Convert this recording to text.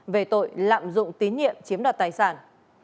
về tội lạm dụng tín nhiệm chiếm đoạt tài sản